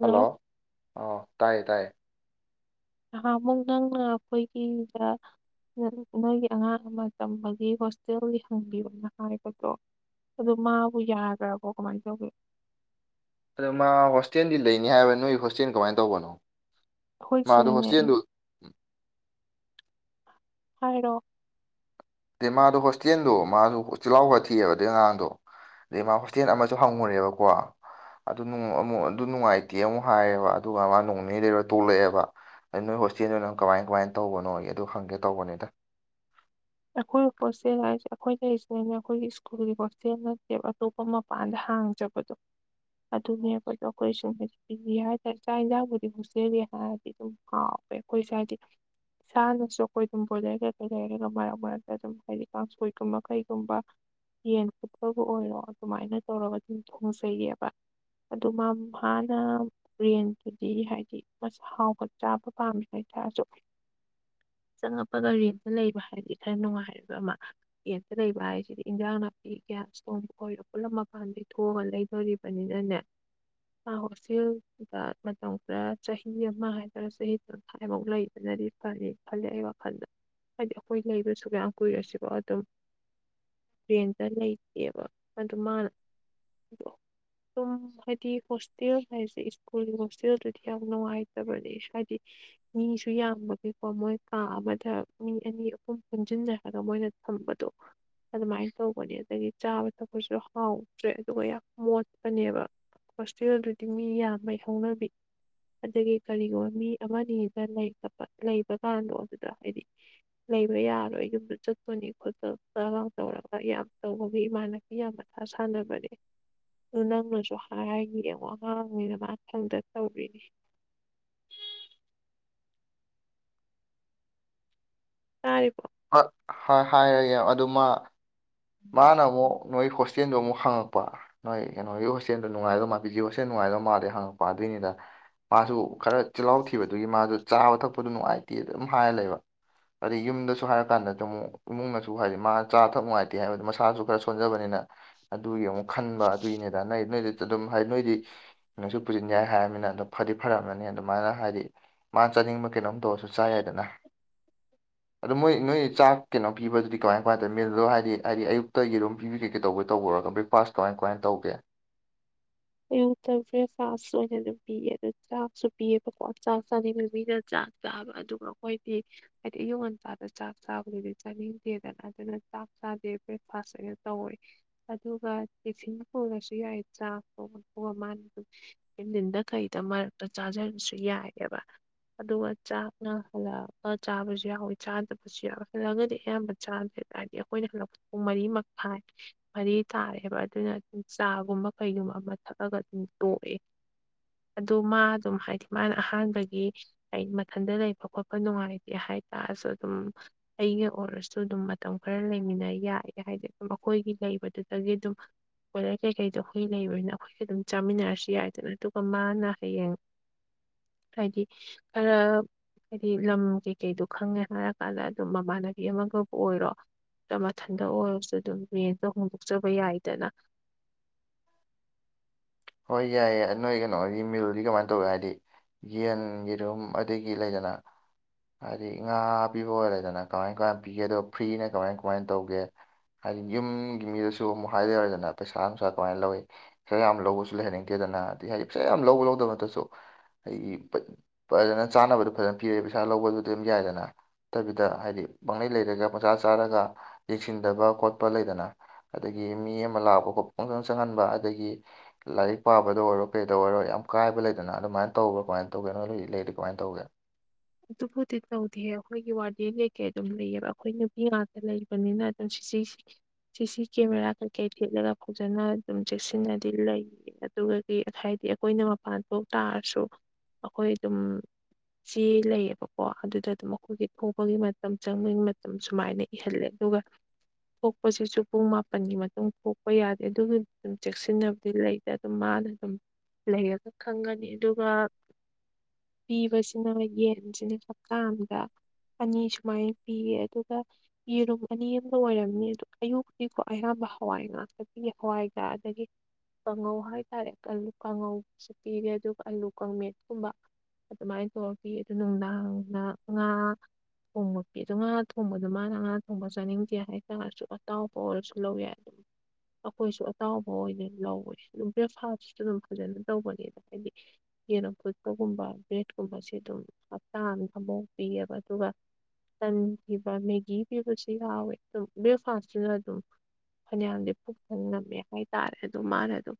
hello ꯑ ꯇꯥꯏꯌꯦ ꯇꯥꯏꯌꯦ ꯅꯍꯥꯑꯃꯨꯛ ꯅꯪꯅ ꯑꯩꯈꯣꯏꯒꯤꯗ ꯅꯪꯒꯤ ꯑꯉꯥꯡ ꯑꯃ ꯇꯝꯕꯒꯤ ꯍꯣꯁꯇꯦꯜꯒꯤ ꯍꯪꯕꯤꯌꯣꯅ ꯍꯥꯏꯕꯗꯣ ꯑꯗꯣ ꯃꯥꯕꯨ ꯌꯥꯈ꯭ꯔꯕꯣ ꯀꯃꯥꯏꯅ ꯇꯧꯒꯦ ꯑꯗꯣ ꯃꯥ ꯍꯣꯁꯇꯦꯜꯗꯤ ꯂꯩꯅꯤ ꯍꯥꯏꯕ ꯅꯣꯏ ꯍꯣꯁꯇꯦꯜ ꯀꯃꯥꯏꯅ ꯇꯧꯕꯅꯣ ꯃꯥꯗꯣ ꯑꯈꯣꯏꯁꯤꯅꯅꯦ ꯍꯣꯁꯇꯦꯜꯗꯨ ꯍꯥꯏꯔꯣ ꯑꯗꯩ ꯃꯥꯗꯣ ꯍꯣꯁꯇꯦꯜꯗꯣ ꯃꯥꯁꯨ ꯆꯤꯜꯍꯥꯎꯕ ꯈꯔ ꯊꯤꯑꯕ ꯑꯩ ꯑꯉꯥꯡꯗꯣ ꯑꯗꯩ ꯃꯥ ꯍꯣꯁꯇꯦꯜ ꯑꯃꯁꯨ ꯍꯪꯉꯨꯔꯦꯕꯀꯣ ꯑꯗꯨ ꯑꯃꯨꯛ ꯑꯗꯨ ꯅꯨꯡꯉꯥꯏꯇꯦ ꯑꯃꯨꯛ ꯍꯥꯏꯌꯦꯕ ꯑꯗꯨꯒ ꯃꯥ ꯅꯣꯡꯅꯦ ꯂꯩꯔ ꯇꯣꯛꯂꯛꯑꯦꯕ ꯅꯣꯏ ꯍꯣꯁꯇꯦꯜꯗꯨ ꯅꯪ ꯀꯃꯥꯏ ꯀꯃꯥꯏꯅ ꯇꯧꯕꯅꯣ ꯑꯩ ꯑꯗꯨ ꯍꯪꯒꯦ ꯇꯧꯕꯅꯤꯗ ꯑꯩꯈꯣꯏ ꯍꯣꯁꯇꯦꯜ ꯍꯥꯏꯔꯤꯁꯦ ꯑꯩꯈꯣꯏ ꯂꯩꯔꯤꯁꯤꯅꯅꯦ ꯑꯩꯈꯣꯏꯒꯤ ꯁ꯭ꯀꯨꯜꯒꯤ ꯍꯣꯁꯇꯦꯜ ꯅꯠꯇꯦꯕ ꯑꯇꯣꯞꯄ ꯃꯄꯥꯟꯗ ꯍꯥꯡꯖꯕ ꯍꯣ ꯑꯗꯨꯅꯦꯕꯗꯣ ꯑꯩꯈꯣꯏ ꯁꯨꯝ ꯄꯤ ꯍꯥꯏꯇꯥꯔꯦ ꯆꯥꯛ ꯌꯦꯟꯖꯥꯡꯕꯨꯗꯤ ꯑꯃꯨꯛ ꯆꯦꯜꯂꯤ ꯍꯥꯏꯔꯗꯤ ꯑꯗꯨꯝ ꯍꯥꯎꯋꯦ ꯑꯩꯈꯣꯏꯁꯦ ꯍꯥꯏꯗꯤ ꯏꯁꯥꯅꯁꯨ ꯑꯩꯈꯣꯏ ꯊꯨꯝꯕꯨꯔꯗ ꯀꯩ ꯀꯩ ꯂꯩꯔꯒ ꯃꯥꯏꯔ ꯗ ꯑꯗꯨꯝ ꯍꯥꯏꯗꯤ ꯀꯥꯡꯁꯣꯏꯒꯨꯝꯕ ꯀꯩꯒꯨꯝꯕ ꯌꯦꯟ ꯐꯨꯠꯄꯕꯨ ꯑꯣꯏꯔꯣ ꯑꯗꯨꯃꯥꯏꯅ ꯇꯧꯔꯒ ꯑꯗꯨꯝ ꯊꯣꯡꯖꯩꯌꯦꯕ ꯑꯗꯨ ꯃꯥ ꯍꯥꯟꯅ ꯌꯦꯟꯗꯨꯗꯤ ꯍꯥꯏꯗꯤ ꯃꯁ ꯑꯥꯍꯥꯎꯕ ꯆꯥꯕ ꯄꯥꯝꯃꯤ ꯍꯥꯏꯕ ꯑꯗꯨ ꯆꯪꯉꯛꯄ ꯒꯥꯔꯤ ꯑꯃꯝꯇ ꯂꯩꯕ ꯍꯥꯏꯕꯗꯤ ꯈꯔ ꯅꯨꯡꯉꯥꯏꯕ ꯑꯃ ꯂꯦꯟ ꯂꯩꯕ ꯍꯥꯏꯁꯤꯗꯤ ꯏꯟꯖꯥꯡ ꯅꯥꯄꯤ ꯒ꯭ꯌꯥꯁ ꯊꯣꯡꯕ ꯑꯣꯏꯔ ꯄꯨꯜꯂꯞ ꯃꯄꯥꯟꯗꯗꯒꯤ ꯊꯣꯛꯂꯡ ꯑꯒ ꯂꯩꯗꯣꯔꯤꯕ ꯑꯅꯤꯅꯅꯦ ꯆ ꯍꯣꯁꯇꯦꯜꯗ ꯃꯇꯝ ꯈꯔ ꯆꯍꯤ ꯑꯃ ꯍꯥꯏꯇꯥꯔꯦ ꯆꯍꯤ ꯇꯪꯈꯥꯏꯐꯧ ꯂꯩꯗꯅꯔꯤ ꯈꯜꯂꯤ ꯈꯜꯂꯤ ꯑꯩ ꯋꯥꯈꯜꯗ ꯍꯥꯏꯗꯤ ꯑꯩꯈꯣꯏ ꯂꯩꯕꯁꯨ ꯃꯌꯥꯝ ꯀꯨꯏꯔꯁꯤꯕꯣ ꯑꯗꯨꯝ ꯇ꯭ꯔꯦꯟꯇ ꯂꯩꯇꯦꯕ ꯑꯗꯨ ꯃꯥꯅ ꯁꯨꯝ ꯍꯥꯏꯗꯤ ꯍꯣꯁꯇꯦꯜ ꯍꯥꯏꯁꯦ ꯁ꯭ꯀꯨꯜꯒꯤ ꯍꯣꯁꯇꯦꯜꯗꯨꯗꯤ ꯌꯥꯝ ꯅꯨꯡꯉꯥꯏꯇꯕꯅꯦ ꯍꯥꯏꯗꯤ ꯃꯤꯁꯨ ꯌꯥꯝꯕꯒꯤꯀꯣ ꯃꯣꯏ ꯀꯥ ꯑꯃꯗ ꯃꯤ ꯑꯅꯤ ꯁꯨꯝ ꯄꯨꯟꯁꯤꯟꯖꯔꯒ ꯃꯣꯏꯅ ꯊꯝꯕꯗꯣ ꯑꯗꯨꯃꯥꯏꯅ ꯇꯧꯕꯅꯦ ꯑꯗꯒꯤ ꯆꯥꯕ ꯊꯛꯄꯁꯨ ꯍꯥꯎꯗ꯭ꯔꯦ ꯑꯗꯨꯒ ꯌꯥꯝ ꯃꯣꯠꯄꯅꯦꯕ ꯍꯣꯁꯇꯦꯜꯗꯨꯗꯤ ꯃꯤ ꯌꯥꯝꯕꯩ ꯍꯧꯅꯕꯤ ꯑꯗꯒꯤ ꯀꯔꯤꯒꯨꯝꯕ ꯃꯤ ꯑꯃꯅꯤꯗ ꯂꯩꯇꯕ ꯂꯩꯕ ꯀꯥꯟꯗꯣ ꯑꯗꯨꯗ ꯍꯥꯏꯗꯤ ꯂꯩꯕ ꯌꯥꯔꯣꯏ ꯌꯨꯝꯗ ꯆꯠꯄꯅꯤ ꯈꯣꯆꯞ ꯆꯔꯥ ꯇꯧꯔꯒ ꯌꯥꯝ ꯇꯧꯕꯃꯤ ꯃꯥꯜꯂꯦ ꯏꯌꯥꯝ ꯃꯊꯥ ꯁꯥꯟꯅꯕꯅꯦ ꯑꯗꯨ ꯅꯪꯅꯁꯨ ꯍꯥꯏꯔꯒ ꯌꯦꯡꯉꯣ ꯑꯉꯥꯡꯅꯤꯅ ꯃꯥ ꯈꯪꯗ ꯇꯧꯔꯤꯅꯤ ꯇꯥꯔꯤꯕꯣ ꯍꯥ ꯍꯥꯏ ꯍꯥꯏꯔꯌꯦꯡ ꯑꯗꯨꯃ ꯃꯥꯅ ꯑꯃꯨꯛ ꯅꯣꯏ ꯍꯣꯁꯇꯦꯟꯗꯣ ꯑꯃꯨꯛ ꯍꯪꯉꯛꯄ ꯅꯣꯏ ꯀꯩꯅꯣꯒꯤ ꯍꯣꯁꯇꯦꯜꯗꯨ ꯅꯨꯡꯉꯥꯏꯕ ꯃꯥꯟ ꯚꯤꯗꯤꯌꯣ ꯁꯦꯝ ꯅꯨꯡꯉꯥꯏꯗꯣ ꯃꯥꯜꯂꯥ ꯍꯪꯉꯛꯄꯥ ꯑꯗꯨꯏꯅꯤꯗ ꯃꯥꯁꯨ ꯈꯔ ꯆꯤꯜꯍꯥꯎ ꯊꯤꯕꯗꯨꯒꯤ ꯃꯥꯖꯨ ꯆꯥꯕ ꯊꯛꯄꯗꯨ ꯅꯨꯡꯉꯥꯏꯇꯦ ꯑꯗꯨ ꯍꯥꯏ ꯂꯩꯕ ꯑꯗꯩ ꯌꯨꯝꯗꯁꯨ ꯍꯥꯏꯔ ꯀꯥꯟꯗ ꯗꯃꯨꯛ ꯏꯃꯨꯡꯅꯁꯨ ꯍꯥꯏꯗꯤ ꯃꯥꯆꯥꯕ ꯊꯛꯄ ꯅꯨꯡꯉꯥꯏ ꯍꯥꯏꯕ ꯃꯁꯥꯁꯨ ꯈꯔ ꯁꯣꯟꯖꯕꯅꯤꯅ ꯑꯗꯨꯒꯤ ꯑꯃꯨꯛ ꯈꯟꯕ ꯑꯗꯨꯏꯅꯦꯗ ꯅꯣꯏ ꯅꯣꯏꯗꯤ ꯑꯗꯨꯝ ꯍꯥꯏ ꯅꯣꯏꯗꯤ ꯅꯪꯁꯨ ꯄꯨꯁꯤꯟ ꯌꯥꯏ ꯍꯥꯏꯔꯝꯃꯤꯅ ꯑꯣ ꯐꯗꯤ ꯐꯔꯝꯅꯅꯤ ꯑꯗꯨꯃꯥꯏꯅ ꯍꯥꯏꯗꯤ ꯃꯥ ꯆꯥꯅꯤꯡꯕ ꯀꯩꯅꯣꯝ ꯇꯧꯔꯁꯨ ꯆꯥ ꯌꯥꯏꯗꯅ ꯑꯗꯣ ꯃꯣꯏ ꯅꯣꯏ ꯆꯥꯛ ꯀꯩꯅꯣ ꯄꯤꯕꯗꯨꯗꯤ ꯀꯃꯥꯏ ꯀꯃꯥꯏꯅ ꯇꯧꯏ ꯃꯤꯜꯗꯣ ꯍꯥꯏꯗꯤ ꯍꯥꯏꯗꯤ ꯑꯌꯨꯛꯇ ꯌꯦꯔꯨꯝ ꯒꯨꯝꯕ ꯄꯤꯕꯤ ꯇꯧꯕꯔ ꯇꯧꯕꯔꯒ ꯕ꯭ꯔꯦꯛꯐꯥꯁ ꯀꯃꯥꯏ ꯀꯃꯥꯏꯅ ꯇꯧꯒꯦ ꯑꯌꯨꯛꯇ ꯐꯥꯁ ꯑꯣꯏꯅ ꯑꯗꯨꯝ ꯄꯤꯌꯦ ꯑꯗꯨ ꯆꯥꯛꯁꯨ ꯄꯤꯑꯕꯀꯣ ꯆꯥꯛ ꯆꯥꯅꯤꯡꯕ ꯃꯤꯅ ꯆꯥꯛ ꯆꯥꯕ ꯑꯗꯨꯒ ꯑꯩꯈꯣꯏꯗꯤ ꯍꯥꯏꯗꯤ ꯑꯌꯨꯛ ꯉꯟꯇꯥꯗ ꯆꯥꯛ ꯆꯥꯕꯗꯨꯗꯤ ꯆꯥꯅꯤꯡꯗꯦꯗꯅ ꯑꯗꯨꯅ ꯆꯥꯛ ꯆꯥꯗꯦ ꯕ꯭ꯔꯦꯛꯐꯥꯁ ꯑꯣꯏꯅ ꯇꯧꯋꯤ ꯑꯗꯨꯒ ꯇꯤꯁꯤꯟ ꯄꯨꯔꯁꯨ ꯌꯥꯏ ꯆꯥꯛ ꯑꯣ ꯃꯥꯅ ꯑꯗꯨ ꯅꯨꯡꯗꯤꯟꯗ ꯀꯩꯗ ꯃꯔꯛꯇ ꯆꯥꯖꯔꯁꯨ ꯌꯥꯏ ꯑꯕ ꯑꯗꯨꯒ ꯆꯥꯛꯅ ꯍꯜꯂꯛꯑꯒ ꯆꯥꯕꯁꯨ ꯌꯥꯎꯋꯤ ꯆꯥꯗꯕꯁꯨ ꯌꯥꯎꯋꯤ ꯍꯜꯂꯛꯒꯗꯤ ꯑꯌꯥꯝꯕ ꯆꯥꯗ꯭ꯔꯦ ꯍꯥꯏꯗꯤ ꯑꯩꯈꯣꯏꯅ ꯍꯟꯂꯛ ꯄꯗ ꯃꯔꯤꯃꯈꯥꯏ ꯃꯔꯤ ꯇꯥꯔꯦꯕ ꯑꯗꯨꯅ ꯑꯗꯨꯝ ꯆꯥꯒꯨꯝꯕ ꯀꯩꯒꯨꯝꯕ ꯑꯃ ꯊꯛꯑꯒ ꯑꯗꯨꯝ ꯇꯣꯛꯑꯦ ꯑꯗꯨ ꯃꯥ ꯑꯗꯨꯝ ꯍꯥꯏꯗꯤ ꯃꯥꯅ ꯑꯍꯥꯟꯕꯒꯤ ꯑꯩ ꯃꯊꯟꯗ ꯂꯩꯕ ꯈꯣꯠꯄ ꯅꯨꯡꯉꯥꯏꯇꯦ ꯍꯥꯏꯇꯥꯔꯁꯨ ꯑꯗꯨꯝ ꯑꯩꯒꯤ ꯑꯣꯏꯔꯁꯨ ꯑꯗꯨꯝ ꯃꯇꯝ ꯈꯔ ꯂꯩꯃꯤꯟꯅ ꯌꯥꯏꯒ ꯍꯥꯏꯗꯤ ꯃꯈꯣꯏꯒꯤ ꯂꯩꯕꯗꯨꯗꯒꯤ ꯗꯨꯝ ꯀꯣꯏꯂꯔ ꯀꯩ ꯀꯩꯗꯣ ꯍꯨꯏ ꯂꯩꯔꯣꯏꯅ ꯑꯈꯣꯏꯒ ꯑꯗꯨꯝ ꯆꯥꯃꯤꯟꯅꯔꯁꯨ ꯌꯥꯏꯗꯅ ꯑꯗꯨꯒ ꯃꯥꯅ ꯍꯌꯦꯡ ꯍꯥꯏꯗꯤ ꯑ ꯍꯥꯏꯗꯤ ꯂꯝ ꯀꯩꯀꯩꯗꯣ ꯈꯪꯉꯦ ꯍꯥꯏꯔꯀꯥꯟꯗ ꯑꯗꯨꯝ ꯃꯃꯥꯟꯅꯕꯤ ꯑꯃꯒꯕꯨ ꯑꯣꯏꯔꯣ ꯃꯊꯟꯇ ꯑꯣꯏꯔꯁꯨ ꯑꯗꯨꯝ ꯔꯦꯟꯗ ꯍꯣꯡꯗꯣꯛꯆꯕ ꯌꯥꯏꯗꯅ ꯍꯣꯏ ꯌꯥꯏꯌꯦꯏ ꯑꯅꯣꯏ ꯒꯅꯣꯒꯤ ꯃꯤꯜꯗꯤ ꯀꯃꯥꯏꯟ ꯇꯧꯋꯦ ꯍꯥꯏꯗꯤ ꯌꯦꯟ ꯌꯦꯔꯨꯝ ꯑꯗꯒꯤ ꯂꯩꯗꯅ ꯍꯥꯗꯤ ꯉꯥ ꯄꯤꯕ ꯑꯣꯏꯔꯦꯗꯅ ꯀꯃꯥꯏ ꯀꯃꯥꯏꯟ ꯄꯤꯒꯦ ꯗꯣ ꯐ꯭ꯔꯤꯅ ꯀꯃꯥꯏꯟ ꯀꯃꯥꯏꯟ ꯇꯧꯒꯦ ꯍꯥꯏꯗꯤ ꯌꯨꯝꯒꯤ ꯃꯤꯗꯁꯨ ꯑꯃꯨꯛ ꯍꯥꯏꯗ ꯌꯔꯣꯏꯗꯅ ꯄꯩꯁꯥ ꯅꯨꯡꯁꯥ ꯀꯃꯥꯏ ꯂꯧꯋꯤ ꯄꯩꯁꯥ ꯌꯥꯝ ꯂꯧꯕꯁꯨ ꯂꯩꯍꯟꯅꯤꯡꯇꯦꯗꯅ ꯑꯗꯩ ꯍꯥꯏꯗꯤ ꯄꯩꯁꯥ ꯌꯥꯝ ꯂꯧꯕ ꯂꯧꯗꯕ ꯗꯁꯨ ꯑꯩꯒꯤ ꯃ ꯄꯖꯅ ꯆꯥꯅꯕꯗꯨ ꯐꯖꯅ ꯄꯤꯔꯦ ꯄꯩꯁꯥ ꯂꯧꯕꯗꯨꯗꯤ ꯑꯗꯨꯝ ꯌꯥꯏꯗꯅ ꯇꯕꯤꯗ ꯍꯥꯏꯗꯤ ꯄꯪꯂꯩ ꯂꯩꯔꯒ ꯄꯪꯆꯥ ꯆꯥꯔꯒ ꯌꯦꯡꯁꯤꯟꯗꯕ ꯈꯣꯠꯄ ꯂꯩꯗꯅ ꯑꯗꯒꯤ ꯃꯤ ꯑꯃ ꯂꯥꯛꯄ ꯈꯣ ꯄꯪꯆꯪ ꯆꯪꯍꯟꯕ ꯑꯗꯒꯤ ꯂꯥꯏꯔꯤꯛ ꯄꯥꯕꯗ ꯑꯣꯏꯔꯣ ꯀꯩꯗ ꯑꯣꯏꯔꯣ ꯌꯥꯝ ꯀꯥꯏꯕ ꯂꯩꯗꯅ ꯑꯗꯨꯃꯥꯏꯅ ꯇꯧꯕ꯭ꯔꯥ ꯀꯃꯥꯏꯟ ꯇꯧꯒꯦ ꯅ ꯍꯧ ꯂꯩꯔꯤ ꯀꯃꯥꯏꯟ ꯇꯧꯒꯦ ꯑꯗꯨꯕꯨꯗꯤ ꯇꯧꯗꯤꯌꯦ ꯑꯩꯈꯣꯏꯒꯤ ꯋꯥꯔꯗꯦꯟ ꯀꯩꯀꯩ ꯑꯗꯨꯝ ꯂꯩꯌꯦꯕ ꯑꯈꯣꯏ ꯅꯨꯄꯤ ꯉꯥꯛꯇ ꯂꯩꯕꯅꯤꯅ ꯑꯗꯨꯝ ꯁꯤꯁꯤꯁꯤ ꯁꯤ ꯁꯤ ꯀꯦꯃꯦꯔꯥ ꯀꯩꯀꯩ ꯊꯦꯠꯂꯦꯒ ꯐꯖꯅ ꯑꯗꯨꯝ ꯆꯦꯛꯁꯤꯟꯅꯗꯤ ꯂꯩꯌꯦ ꯑꯗꯨꯒ ꯗꯤ ꯑꯁ ꯍꯥꯏꯗꯤ ꯑꯈꯣꯏꯅ ꯃꯄꯥꯟ ꯊꯣꯛ ꯇꯥꯔꯁꯨ ꯑꯈꯣꯏ ꯑꯗꯨꯝ ꯑꯦ ꯂꯩꯌꯦꯕꯀꯣ ꯑꯗꯨꯗ ꯑꯗꯨꯝ ꯑꯈꯣꯏꯒꯤ ꯊꯣꯛꯄꯒꯤ ꯃꯇꯝ ꯆꯪꯕꯒꯤ ꯃꯇꯝ ꯁꯨꯃꯥꯏꯅ ꯏꯍꯜꯂꯦ ꯑꯗꯨꯒ ꯄꯣꯛꯄꯁꯤꯁꯨ ꯄꯨꯡ ꯃꯥꯄꯟꯒꯤ ꯃꯇꯨꯡ ꯄꯣꯛꯄ ꯌꯥꯗꯦ ꯑꯗꯨꯒꯤ ꯗꯨꯝ ꯆꯦꯛꯁꯤꯟꯅꯕꯗꯤ ꯂꯩ ꯑꯗꯨꯝ ꯃꯥꯅ ꯑꯗꯨꯝ ꯂꯩꯔꯒ ꯈꯪꯒꯅꯤ ꯑꯗꯨꯒ ꯄꯤꯕꯁꯤ ꯁꯤꯅ ꯌꯦꯟꯁꯤꯅꯦ ꯀꯞꯇꯥ ꯑꯃꯗ ꯑꯅꯤ ꯁꯨꯃꯥꯏꯟ ꯄꯤꯌꯦ ꯑꯗꯨꯒ ꯌꯦꯔꯨꯝ ꯑꯅꯤ ꯑꯃꯗ ꯑꯣꯏꯔꯝꯅꯤ ꯑ ꯑꯌꯨꯛꯛꯇꯨꯗꯤꯀꯣ ꯑꯌꯥꯝꯕ ꯍꯋꯥꯏ ꯉꯥꯛꯇꯛꯇꯒꯤ ꯍꯋꯥꯏꯒꯔ ꯑꯗꯒꯤ ꯀꯥꯡꯉꯧ ꯍꯥꯏꯇꯥꯔꯦ ꯑꯥꯂꯨ ꯀꯥꯡꯉꯧꯁꯨ ꯄꯤꯔꯦ ꯑꯗꯨꯒ ꯑꯥꯂꯨ ꯀꯥꯡꯃꯦꯠꯀꯨꯝꯕ ꯑꯗꯨꯃꯥꯏꯅ ꯇꯧꯔ ꯄꯤ ꯑꯗꯨ ꯅꯨꯡꯗꯥꯡꯅ ꯉꯥ ꯊꯣꯡꯕ ꯄꯤ ꯑꯗꯣ ꯉꯥ ꯊꯣꯡꯕꯗꯣ ꯃꯥꯅ ꯉꯥ ꯊꯣꯡꯕ ꯆꯥꯅꯤꯡꯗꯦ ꯍꯥꯏꯇꯥꯥꯔꯁꯨ ꯑꯇꯥꯎꯕ ꯑꯣꯏꯔꯁꯨ ꯂꯧ ꯌꯥꯏ ꯑꯗꯨꯝ ꯑꯩꯈꯣꯏꯁꯨ ꯑꯇꯥꯎꯕ ꯑꯣꯏꯅ ꯂꯧꯋ ꯑꯗꯨꯝ ꯕ꯭ꯔꯦꯛꯐꯥꯁꯁꯨ ꯑꯗꯨꯝ ꯐꯖꯅ ꯇꯧꯕꯅꯦꯅ ꯍꯥꯏꯗꯤ ꯌꯦꯔ ꯐꯨꯠꯄꯒꯨꯝꯕ ꯕ꯭ꯔꯦꯠꯀꯨꯝꯕꯁꯦ ꯑꯗꯨꯝ ꯍꯞꯇꯥ ꯑꯃ ꯊꯃꯣꯛ ꯄꯑꯕ ꯑꯗꯨꯒ ꯇꯟ ꯄꯤꯕ ꯃꯦꯒꯤ ꯄꯤꯕꯁꯨ ꯌꯥꯎꯋꯦ ꯑꯗꯨꯝ ꯕ꯭ꯔꯦꯛꯐꯥꯁꯇꯨꯗ ꯑꯗꯨꯝ ꯐꯅꯌꯥꯝꯗꯤ ꯄꯨꯛ ꯈꯪ ꯉꯝꯃꯦ ꯍꯥꯏꯇꯥꯔꯦ ꯑꯗꯨꯣ ꯃꯥꯅ ꯑꯗꯨꯝ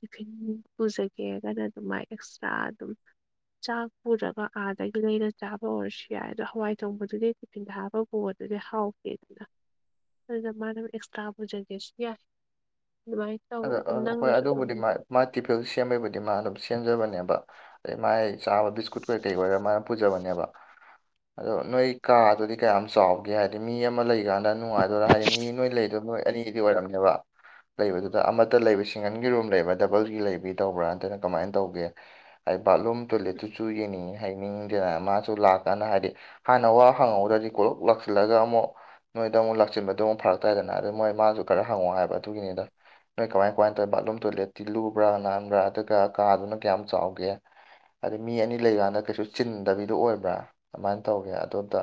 ꯇꯤꯐꯤꯟ ꯄꯨꯖꯒꯦꯒꯅ ꯑꯗꯨꯃꯥꯏ ꯑꯦꯛꯁꯇ꯭ꯔꯥ ꯑꯗꯨꯝ ꯆꯥꯛ ꯄꯨꯗ꯭ꯔꯒ ꯑꯥꯗꯒꯤ ꯂꯩꯅ ꯆꯥꯕ ꯑꯣꯏꯔꯁꯨ ꯌꯥꯏ ꯑꯗꯣ ꯍꯋꯥꯏ ꯊꯣꯡꯕꯗꯨꯗꯤꯊꯤꯟ ꯊ ꯍꯥꯕ ꯄ ꯑꯗꯨꯗꯤ ꯍꯥꯎ ꯦꯗ ꯑꯗꯨꯗ ꯃꯥꯅ ꯑꯦꯛꯁꯇ꯭ꯔꯥ ꯄꯨꯖꯒꯦꯁꯨ ꯌꯥꯏ ꯑꯗꯨꯃꯥꯏꯅ ꯑ ꯇꯧꯋꯦ ꯑꯗꯨꯝ ꯍꯣꯏ ꯅꯪꯅꯁꯨ ꯑꯗꯨꯝ ꯑꯗꯨꯕꯨꯗꯤ ꯃꯥ ꯃꯥ ꯇꯤꯐꯤꯜ ꯁꯦꯝꯕꯩꯕꯨꯗꯤ ꯃꯥ ꯑꯗꯨꯝ ꯁꯦꯝꯖꯕꯅꯦꯕ ꯑꯩ ꯃꯥꯏ ꯆꯥꯕ ꯕꯤꯁꯀꯨꯠ ꯀꯩ ꯀꯩ ꯑꯣꯏꯣꯏꯔ ꯃꯥꯅ ꯄꯨꯖꯕꯅꯦꯕ ꯑꯗꯣ ꯅꯣꯏ ꯀꯥꯗꯨꯗꯤ ꯀꯌꯥꯝ ꯆꯥꯎꯒꯦ ꯍꯥꯏꯕꯗꯤ ꯃꯤ ꯑꯃ ꯂꯩꯀꯥꯟꯗ ꯅꯨꯡꯉꯥꯏꯗꯣꯏꯔꯥ ꯍꯥꯏꯗꯤ ꯃꯤ ꯅꯣꯏ ꯂꯩꯗꯣ ꯅꯣꯏ ꯑꯅꯤꯗꯤ ꯑꯣꯏꯔꯝꯅꯦꯕ ꯂꯩꯕꯗꯨ ꯑꯗ ꯑꯃꯠꯇ ꯂꯩꯕ ꯁꯤꯡꯒꯟꯒꯤ ꯔꯨꯝ ꯂꯩꯕ꯭ꯔꯥ ꯗꯕꯜꯒꯤ ꯂꯩꯕꯤ ꯇꯧꯕ꯭ꯔꯥ ꯅꯇꯅ ꯀꯃꯥꯏꯟ ꯇꯧꯒꯦ ꯑꯩ ꯕꯥꯠꯂꯨꯝ ꯇꯣꯂꯦꯠ ꯇꯨꯆꯨ ꯌꯦꯡꯅꯤꯡꯌꯦ ꯍꯥꯏꯅꯤꯡꯗꯦꯅ ꯃꯥꯁꯨ ꯂꯥꯛꯀꯥꯟꯗ ꯍꯥꯏꯗꯤ ꯍꯥꯟꯅ ꯋꯥ ꯍꯪꯍꯧꯗꯗꯤ ꯀꯣꯂꯨꯛ ꯂꯥꯛꯁꯤꯜꯂꯒ ꯑꯃꯣꯛ ꯅꯣꯏꯗ ꯑꯃꯣꯛ ꯂꯥꯛꯆꯤꯟꯕꯗꯨ ꯑꯃꯨꯛ ꯐꯔꯛꯇꯥꯏꯗꯅ ꯑꯗ ꯃꯣꯏ ꯃꯥꯥꯁꯨ ꯈꯔ ꯍꯪꯉꯣ ꯍꯥꯏꯕ ꯑꯗꯨꯒꯤꯅꯤꯗ ꯅꯣꯏ ꯀꯃꯥꯏꯟ ꯀꯃꯥꯏꯟ ꯇꯧꯋꯦ ꯕꯥꯠꯂꯨꯝ ꯇꯣꯏꯂꯦꯠ ꯇꯤ ꯂꯨꯕ꯭ꯔꯥ ꯅꯥꯟꯕ꯭ꯔꯥ ꯑꯗꯨꯒ ꯀꯥꯗꯨꯅ ꯀꯌꯥꯝ ꯆꯥꯎꯒꯦ ꯍꯥꯏꯗꯤ ꯃꯤ ꯑꯅꯤ ꯂꯩꯒꯥꯟꯗ ꯀꯩꯁꯨ ꯆꯤꯟꯗꯕꯤꯗꯣ ꯑꯣꯏꯕ꯭ꯔꯥ ꯑꯗꯨꯃꯥꯏꯟ ꯇꯧꯒꯦ ꯑꯇꯣꯟꯇ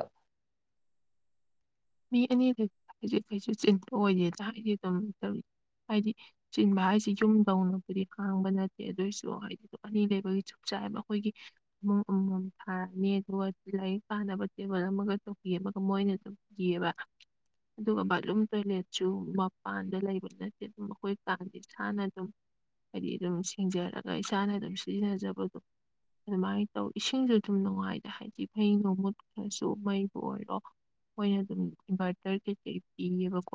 ꯃꯤ ꯑꯅꯤꯗ ꯐꯩꯖꯤꯛ ꯐꯩꯖꯤ ꯆꯤꯟꯕ ꯑꯣꯏꯗꯦꯗ ꯑꯩꯗꯤ ꯑꯗꯨꯝ ꯇꯧꯏ ꯍꯥꯏꯗꯤ ꯆꯤꯟꯕ ꯍꯥꯏꯁꯤ ꯌꯨꯝꯗꯧꯅꯕꯨꯗꯤ ꯈꯥꯡꯕ ꯅꯠꯇꯦ ꯑꯗꯨꯏꯁꯨ ꯍꯥꯏꯗꯤ ꯑꯅꯤ ꯂꯩꯕꯒꯤ ꯆꯨꯞ ꯆꯥꯏꯌꯦꯕ ꯑꯈꯣꯏꯒꯤ ꯃꯝ ꯑꯃꯃꯝ ꯊꯥꯔꯛꯅꯤ ꯑꯗꯨꯒ ꯂꯥꯏꯔꯤꯛ ꯄꯥꯅꯕ ꯇꯦꯕꯜ ꯑꯃꯒ ꯆꯧꯀꯤ ꯑꯃꯒ ꯃꯣꯏꯅ ꯗꯨꯝ ꯌꯦꯕ ꯑꯗꯨꯒ ꯕꯥꯠꯂꯨꯝ ꯇꯣꯏꯂꯦꯠꯁꯨ ꯃꯄꯥꯟꯗ ꯂꯩꯕ ꯅꯠꯇꯦ ꯑꯗꯨꯝ ꯑꯈꯣꯏ ꯀꯥꯒꯤ ꯏꯁꯥꯅ ꯑꯗꯨꯝ ꯍꯥꯏꯗꯤ ꯑꯗꯨꯝ ꯁꯤꯡꯖꯔꯒ ꯏꯁꯥꯅ ꯑꯗꯨꯝ ꯁꯤꯖꯤꯟꯅꯖꯕ ꯒꯨ ꯑꯗꯨꯃꯥꯏꯅ ꯇꯧ ꯏꯁꯤꯡꯁꯨ ꯑꯗꯨꯝ ꯅꯨꯡꯉꯥꯏꯇ ꯍꯥꯏꯗꯤ ꯐꯩꯅꯩꯅꯣ ꯃꯨꯠꯈ꯭ꯔꯁꯨ ꯃꯩꯕꯨ ꯑꯣꯏꯔꯣ ꯃꯣꯏꯅ ꯑꯗꯨꯝ ꯏꯟꯚꯔꯇꯔ ꯀꯩꯁ ꯄꯤꯌꯦꯕꯀꯣ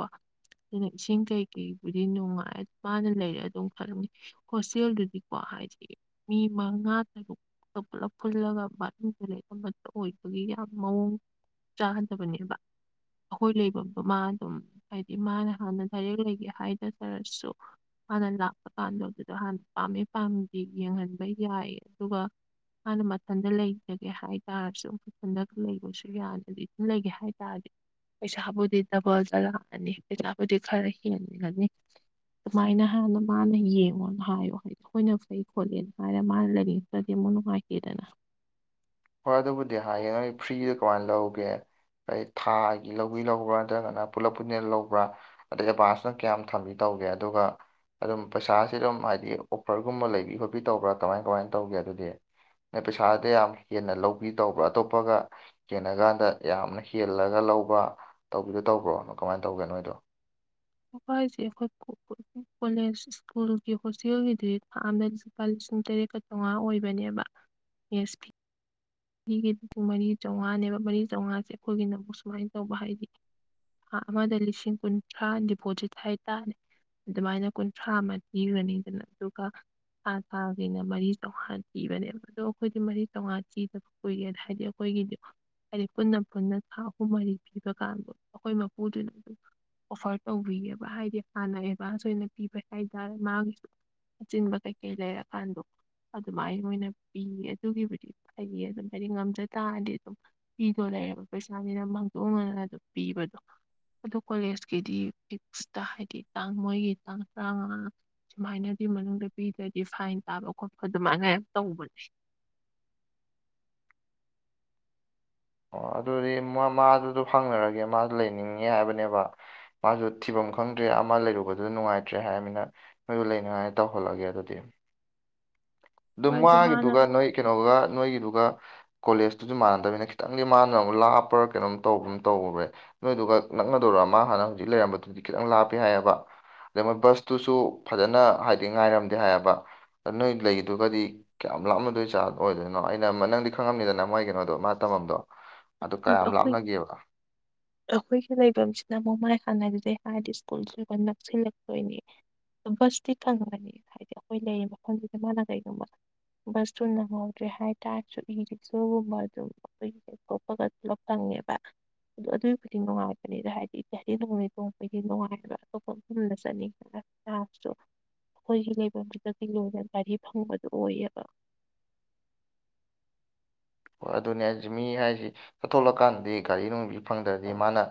ꯑꯗꯨꯅ ꯏꯁꯤꯡ ꯀꯩꯀꯩꯕꯨꯗꯤ ꯅꯨꯡꯉꯥꯏ ꯃꯥꯅ ꯂꯩꯔꯦ ꯑꯗꯨꯝ ꯈꯜꯂꯝꯅꯤ ꯍꯣꯁꯇꯦꯜꯗꯨꯗꯤꯀꯣ ꯍꯥꯏꯁ ꯃꯤ ꯃꯉꯥ ꯇꯔꯨꯛ ꯄꯨꯂꯞ ꯄꯨꯜꯂꯒ ꯕꯥꯂ ꯑꯃꯠꯇ ꯑꯣꯏꯕꯒꯤ ꯌꯥꯝ ꯃꯑꯣꯡ ꯆ ꯅꯤꯕ ꯑꯩꯈꯣꯏ ꯂꯩꯐꯝꯗ ꯃꯥ ꯑꯗꯨꯝ ꯍꯥꯏꯗꯤ ꯃꯥꯅ ꯍꯥꯟꯅ ꯂꯗꯥꯥꯏꯔꯛ ꯂꯩꯒꯦ ꯍꯥꯏꯅꯖꯔꯁꯨ ꯍꯥꯟꯅ ꯂꯥꯛꯄ ꯀꯥꯟꯗ ꯑꯗꯨꯗ ꯍꯥꯟꯅ ꯄꯥꯝꯃꯦ ꯄꯥꯝꯗꯤ ꯌꯦꯡꯍꯟꯕ ꯌꯥꯏ ꯑꯗꯨꯒ ꯃꯥꯥꯟꯅ ꯃꯊꯟꯗ ꯂꯩꯖꯒꯦ ꯍꯥꯏꯇꯥꯔꯁꯨ ꯃꯊꯟꯗ ꯂꯩꯕꯁꯨ ꯌꯥꯗꯗꯤ ꯂꯩꯒꯦ ꯍꯥꯏꯇꯥꯔꯗꯤ ꯄꯩꯁꯥꯕꯨꯗꯤꯗꯕꯜꯗꯂꯅꯤ ꯄꯩꯁꯥꯕꯨꯗꯤ ꯈꯔꯦ ꯍꯈꯤ ꯍꯥꯏꯅꯤ ꯈꯅꯤ ꯑꯗꯨꯃꯥꯏꯅ ꯍꯥꯟꯅ ꯃꯥꯅ ꯌꯦꯡꯉꯣꯅ ꯍꯥꯏꯌꯣ ꯍꯥꯏꯗꯤ ꯑꯩꯈꯣꯏꯅ ꯐꯩ ꯈꯣꯠꯂꯦꯅ ꯍꯥꯏꯔ ꯃꯥꯅ ꯂꯩꯔꯤ ꯗꯤ ꯃꯨꯅ ꯍꯥꯌꯦꯗꯅ ꯍꯣꯏ ꯑꯗꯨꯕꯨꯗꯤ ꯍꯥꯏꯌꯦ ꯅꯣꯏ ꯐ꯭ꯔꯤꯗ ꯀꯃꯥꯏꯅ ꯂꯧꯒꯦ ꯑꯩꯩ ꯊꯥꯒꯤ ꯂꯧꯕꯤ ꯂꯧꯕ꯭ꯔꯥ ꯅꯠꯇ꯭ꯔꯒꯅ ꯄꯨꯂꯞ ꯄꯨꯅꯦꯦꯜ ꯂꯧꯕ꯭ꯔꯥ ꯑꯗꯩ ꯑꯦꯗꯚꯥꯟꯁꯅ ꯀꯌꯥꯝ ꯊꯝꯃꯤ ꯇꯧꯒꯦ ꯑꯗꯨꯒ ꯑꯗꯨꯝ ꯄꯩꯁꯥꯁꯤ ꯑꯗꯨꯝ ꯍꯥꯏꯗꯤ ꯑꯣꯐꯔꯒꯨꯝꯕ ꯂꯩꯕꯤ ꯈꯣꯠꯄꯤ ꯇꯧꯕ꯭ꯔꯥ ꯀꯃꯥꯏ ꯀꯃꯥꯏꯅ ꯇꯧꯒꯦ ꯑꯗꯨꯗꯤ ꯅ ꯄꯩꯁꯥꯗꯤ ꯌꯥꯝ ꯍꯦꯟꯅ ꯂꯧꯕꯤ ꯇꯧꯕ꯭ꯔꯥ ꯑꯇꯣꯞꯄꯒ ꯀꯦꯟꯅ ꯀꯥꯟꯗ ꯌꯥꯝꯅ ꯍꯦꯜꯂꯒ ꯂꯧꯕ ꯇꯧꯕꯤꯗꯣ ꯇꯧꯕ꯭ꯔꯣꯅꯣ ꯀꯃꯥꯏꯅ ꯇꯧꯒꯦ ꯅꯣꯏꯗꯣ ꯁꯦ ꯀꯣꯦꯖ ꯏꯁꯀꯨꯜꯒꯤ ꯍꯁꯤꯒꯤ ꯂꯨꯄꯥ ꯂꯤꯁꯤꯡ ꯇꯔꯦꯠꯀ ꯆꯥꯝꯃꯉꯥ ꯑꯣꯏꯕꯅꯦꯕ ꯌꯦꯁ ꯐꯤ ꯃꯤꯒꯤꯗꯨ ꯄꯨꯡ ꯃꯔꯤ ꯆꯥꯝꯃꯉꯥꯅꯦꯕ ꯃꯔꯤ ꯆꯥꯝꯃꯉꯥꯁꯦ ꯑꯩꯈꯣꯏꯒꯤꯅ ꯑꯃꯨꯛ ꯁꯨꯃꯥꯏꯅ ꯇꯧꯕ ꯍꯥꯏꯗꯤ ꯑꯃꯗ ꯂꯤꯁꯤꯡ ꯀꯨꯟꯊ꯭ꯔꯥ ꯗꯤꯄꯣꯖꯤꯠ ꯍꯥꯏꯇꯥꯔꯅꯦ ꯑꯗꯨꯃꯥꯏꯅ ꯀꯨꯟꯊ꯭ꯔꯥ ꯑꯃ ꯄꯤꯈ꯭ꯔꯅꯤꯗꯅ ꯑꯗꯨꯒ ꯊꯥ ꯊꯥꯈꯅ ꯃꯔꯤ ꯆꯥꯝꯃꯉꯥ ꯊꯤꯕꯅꯦꯕ ꯑꯗꯣ ꯑꯩꯈꯣꯏꯗꯤ ꯃꯔꯤ ꯆꯥꯝꯃꯉꯥ ꯊꯤꯗꯕ ꯀꯏꯒꯦ ꯍꯥꯏꯗꯤꯣ ꯑꯩꯈꯣꯏꯒꯤꯗꯣ ꯍꯥꯏꯗꯤ ꯄꯨꯟꯅ ꯄꯨꯟꯅ ꯊꯥ ꯑꯍꯨꯝ ꯃꯔꯤ ꯄꯤꯕ ꯀꯥꯟꯗ ꯑꯩꯈꯣꯏ ꯃꯄꯨꯗꯨꯅ ꯑꯗꯨꯝ ꯑꯣꯐꯔ ꯇꯧꯕꯤꯑꯕ ꯍꯥꯏꯗꯤ ꯍꯥꯟꯅ ꯑꯦꯗꯚꯥꯟꯁ ꯑꯣꯏꯅ ꯄꯤꯕ ꯍꯥꯏꯇꯥꯔꯦ ꯃꯥꯒꯤꯁꯨ ꯑꯆꯤꯟꯕ ꯀꯩꯀꯩ ꯂꯩꯔꯀꯥꯟꯗꯣ ꯑꯗꯨꯃꯥꯏꯅ ꯃꯣꯏꯅ ꯄꯤꯌꯦ ꯑꯗꯨꯒꯤꯕꯨꯗꯤ ꯐꯌꯦ ꯑꯗꯨꯝ ꯍꯥꯏꯗꯤ ꯉꯝꯖ ꯇꯥꯔꯗꯤ ꯑꯗꯨꯝ ꯄꯤꯗꯣ ꯂꯩꯕ ꯄꯩꯁꯥꯅꯤꯅ ꯃꯥꯡꯗꯣꯛꯅꯗꯅ ꯑꯗꯨꯝ ꯄꯤꯕꯗꯣ ꯑꯗꯨ ꯀꯣꯂꯦꯖꯀꯤꯗꯤꯤꯁꯇ ꯍꯥꯏꯗꯤ ꯇꯥꯡ ꯃꯣꯏꯒꯤ ꯇꯥꯡ ꯇꯔꯥꯃꯉꯥ ꯁꯨꯃꯥꯏꯅꯗꯤ ꯃꯅꯨꯡꯗ ꯄꯤꯗ꯭ꯔꯗꯤ ꯐꯥꯏꯟ ꯇꯥꯕ ꯈꯣꯠꯄ ꯑꯗꯨꯃꯥꯏꯅ ꯇꯧꯕꯅꯦ ꯑꯣ ꯑꯗꯨꯗꯤ ꯃꯥꯗꯨꯗꯣ ꯐꯪꯅꯔꯒꯦ ꯃꯥꯁꯨ ꯂꯩꯅꯤꯡꯉꯦ ꯍꯥꯏꯕꯅꯦꯕ ꯃꯥꯁꯨ ꯊꯤꯐꯝ ꯈꯪꯗ꯭ꯔꯦ ꯑꯃ ꯂꯩꯔꯨꯕꯗꯨꯗ ꯅꯨꯡꯉꯥꯏꯇ꯭ꯔꯦ ꯍꯥꯏꯔꯃꯤꯅ ꯃꯣꯏꯗꯨ ꯂꯩꯅꯤꯉꯥꯏꯅ ꯇꯧꯍꯜꯂꯒꯦ ꯑꯗꯨꯗꯤ ꯑꯗꯨ ꯍꯣꯏ ꯃꯥꯅ ꯃꯥꯒꯤꯗꯨꯒ ꯅꯣꯏ ꯀꯩꯅꯣꯒ ꯅꯣꯏꯒꯤꯗꯨꯒ ꯀꯣꯂꯦꯖꯇꯨꯗꯤ ꯃꯥꯟꯅꯗꯕꯅꯤꯅ ꯈꯤꯇꯪꯗꯤ ꯃꯥꯟꯅꯅꯕꯅꯨꯛ ꯂꯥꯞꯄꯔꯒ ꯀꯩꯅꯣꯝ ꯇꯧꯕ ꯑꯃ ꯇꯧ꯭ꯔꯦ ꯅꯣꯏꯗꯨꯒ ꯅꯛꯅꯗꯧꯔꯣ ꯑꯃ ꯍꯥꯟꯅ ꯍꯧꯖꯤꯛ ꯂꯩꯔꯝꯕꯗꯨꯗꯤ ꯈꯤꯇꯪ ꯂꯥꯞꯄꯦ ꯍꯥꯏꯌꯦꯕ ꯑꯗꯩ ꯃꯣꯏ ꯕꯁꯇꯨꯁꯨ ꯐꯖꯅ ꯍꯥꯏꯗꯤ ꯉꯥꯏꯔꯝꯗꯦ ꯍꯥꯏꯌꯦꯕ ꯅꯣꯏ ꯂꯩꯗꯨꯒꯗꯤ ꯀꯌꯥꯝ ꯂꯥꯞꯃꯗꯣꯏ ꯆꯥꯔ ꯑꯣꯏꯗꯣꯏꯅꯣ ꯑꯩꯅ ꯅꯪꯗꯤ ꯈꯪꯉꯝꯅꯤꯗꯅ ꯅ ꯃꯥꯏ ꯀꯩꯅꯣꯗꯣ ꯃꯥ ꯇꯝꯃꯝꯗꯣ ꯑꯗꯨ ꯀꯌꯥꯝ ꯑꯩꯈꯣꯏ ꯂꯥꯞꯅꯒꯦꯕ ꯑꯩꯈꯣꯏꯒꯤ ꯂꯩꯐꯝꯁꯤꯅ ꯃꯣꯡꯃꯥꯏ ꯍꯥꯟꯅꯗꯨꯗꯩ ꯍꯥꯏꯔꯗꯤ ꯁ꯭ꯀꯨꯜꯁꯨ ꯑꯩꯈꯣꯏ ꯅꯛꯁꯤꯜꯂꯛꯇꯣꯏꯅꯤ ꯕꯁꯇꯤ ꯈꯪꯉꯅꯤ ꯍꯥꯏꯗꯤ ꯑꯩꯈꯣꯏ ꯂꯩꯔꯤꯕ ꯃꯐꯝꯁꯤꯗ ꯃꯥꯅ ꯀꯩꯒꯣꯕ ꯁꯁꯨ ꯅꯪꯧꯗ꯭ꯔꯤ ꯍꯥꯏ ꯇꯥꯏꯁꯨ ꯏꯔꯤ ꯁꯣ ꯃ ꯣꯄꯒꯠ ꯂ ꯇꯪꯦꯕ ꯑꯗꯣ ꯑꯗꯨꯒꯤ ꯈꯨꯗꯤꯡ ꯅꯨꯡꯉꯥꯏꯕꯅꯤꯗ ꯍꯥꯏꯗꯤꯗꯤ ꯅꯣꯡꯣꯡꯗꯤ ꯅꯨꯡꯉꯥꯏꯕ ꯑꯇꯣꯞꯄ ꯃꯐꯝꯗ ꯆꯠꯅꯤ ꯑꯩꯈꯣꯏꯒꯤ ꯂꯩꯐꯝꯗꯨꯗꯤ ꯂꯣꯏꯅ ꯒꯥꯔꯤ ꯐꯪꯕꯗꯨ ꯑꯣꯏꯌꯦꯕ ꯍꯣꯏ ꯑꯗꯨꯅꯦ ꯍꯥꯏꯁꯤ ꯃꯤ ꯍꯥꯏꯁꯤ ꯆꯠꯊꯣꯛꯂꯀꯥꯟꯗꯗꯤ ꯒꯥꯔꯤ ꯅꯨꯡꯁꯤ ꯐꯪꯗ꯭ꯔꯗꯤ ꯃꯥꯅ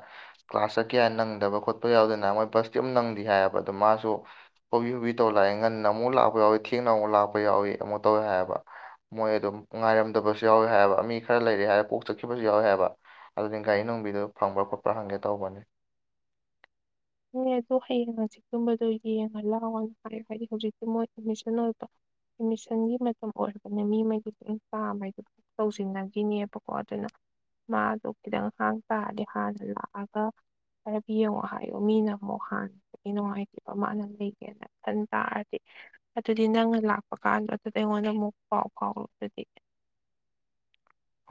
ꯀ꯭ꯂꯥꯁ ꯆꯠꯀꯦ ꯍꯥꯏꯅ ꯅꯪꯗꯕ ꯈꯣꯠꯄ ꯌꯥꯎꯗꯅ ꯃꯣꯏ ꯕꯁꯇꯤ ꯑꯃꯝ ꯅꯪꯗꯦ ꯍꯥꯏꯌꯦꯕ ꯑꯗꯣ ꯃꯥꯁꯨ ꯄꯨꯕꯨꯕꯤ ꯍꯨꯕꯤ ꯇꯧ ꯂꯥꯛꯑꯦ ꯉꯟꯅ ꯑꯃꯨꯛ ꯂꯥꯛꯄ ꯌꯥꯎꯏ ꯊꯦꯡꯅ ꯑꯃꯨꯛ ꯂꯥꯛꯄ ꯌꯥꯎꯏ ꯑꯃꯨꯛ ꯇꯧꯏꯦ ꯍꯥꯏꯕ ꯃꯣꯏ ꯑꯗꯨꯝ ꯉꯥꯏꯔꯝꯗꯕꯁꯨ ꯌꯥꯎꯏꯦ ꯍꯥꯏꯕ ꯃꯤ ꯈꯔ ꯂꯩꯔꯦ ꯍꯥꯏꯔꯒ ꯀꯣꯛ ꯆꯠꯈꯤꯕꯁꯨ ꯌꯥꯎꯏꯦ ꯍꯥꯏꯕ ꯑꯗꯨꯗꯤ ꯒꯥꯍ ꯅꯨꯡꯕꯤꯗꯨ ꯐꯪꯕ꯭ꯔꯥ ꯈꯣꯠꯄꯥ ꯍꯪꯒꯦ ꯇꯧꯕꯅꯦ ꯏꯅꯦ ꯑꯗꯨꯗꯣ ꯍꯌꯦꯡ ꯁꯤꯀꯨꯝꯕꯗꯣ ꯌꯦꯡꯉ ꯂꯥꯛꯑꯣꯅ ꯍꯥꯏꯔ ꯍꯥꯏꯗꯤ ꯍꯧꯖꯤꯛꯇꯤ ꯃꯣꯏ ꯑꯦꯗꯃꯤꯁꯟ ꯑꯣꯏꯕ ꯑꯦꯠꯃꯤꯁꯟꯒꯤ ꯃꯇꯝ ꯑꯣꯏꯔꯕꯅ ꯃꯤꯉꯩꯗꯨ ꯂ ꯆꯥꯉꯩꯗꯨ ꯇꯧꯁꯤꯟꯅꯈꯤꯅꯦꯕꯀꯣ ꯑꯗꯨꯅ ꯃꯥꯗꯣ ꯈꯤꯇꯪ ꯍꯥꯡ ꯇꯥꯔꯗꯤ ꯍꯥꯟꯅ ꯂꯥꯛꯑꯒ ꯍꯥꯏꯔꯞ ꯌꯦꯡꯉꯣ ꯍꯥꯏ ꯑꯌꯨ ꯃꯤꯅ ꯑꯃꯨꯛ ꯍꯥꯟꯒꯗꯤ ꯅꯨꯡꯉꯥꯏꯇꯕ ꯃꯥꯅ ꯂꯩꯒꯦꯅ ꯈꯟ ꯇꯥꯔꯗꯤ ꯑꯗꯨꯗꯤ ꯅꯪꯅ ꯂꯥꯛꯄ ꯀꯥꯟꯗ ꯑꯗꯨꯗꯤ ꯑꯩꯉꯣꯟꯗ ꯑꯃꯨꯛ ꯄꯥꯎ ꯐꯥꯎꯔꯣ ꯑꯗꯨꯗꯤ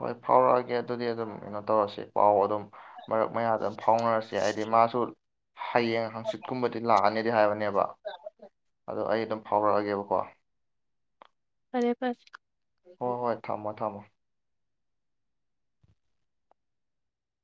ꯍꯣꯏ ꯐꯥꯎꯔꯛꯑꯒꯦ ꯑꯗꯨꯗꯤ ꯑꯗꯨꯝ ꯀꯩꯅꯣ ꯇꯧꯔꯁꯤ ꯄꯥꯎ ꯑꯗꯨꯝ ꯃꯔꯛ ꯃꯌꯥꯗ ꯑꯗꯨꯝ ꯐꯥꯎꯅꯔꯁꯤ ꯍꯥꯏꯗꯤ ꯃꯥꯁꯨ ꯍꯌꯦꯡ ꯍꯪꯆꯤꯠꯀꯨꯝꯕꯗꯤ ꯂꯥꯛꯑꯅꯤꯗꯤ ꯍꯥꯏꯕꯅꯦꯕ ꯑꯗꯣ ꯑꯩ ꯑꯗꯨꯝ ꯐꯥꯎꯔꯛꯑꯒꯦꯕꯀꯣ ꯐꯔꯦ ꯐꯔꯦ ꯍꯣꯏ ꯍꯣꯏ ꯊꯝꯃꯣ ꯊꯝꯃꯣ